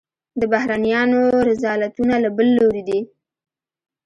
د بهرنیانو رذالتونه له بل لوري دي.